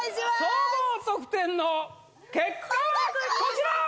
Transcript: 総合得点の結果はこちら！